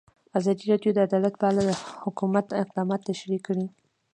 ازادي راډیو د عدالت په اړه د حکومت اقدامات تشریح کړي.